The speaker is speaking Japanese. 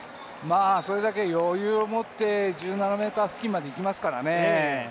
それだけ余裕をもって１７ｍ付近まで行きますからね。